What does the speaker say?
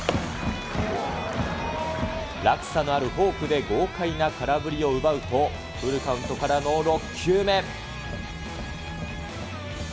落差のあるフォークで豪快な空振りを奪うと、フルカウントからの６球目。